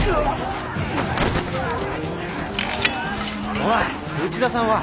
おい内田さんは？